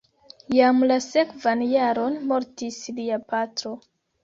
Jam la sekvan jaron mortis lia patro.